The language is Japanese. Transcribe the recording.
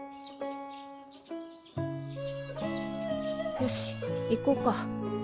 よし行こうか。